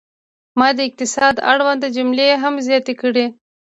ما د اقتصاد اړوند جملې هم زیاتې کړې.